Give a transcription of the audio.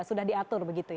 sudah diatur begitu ya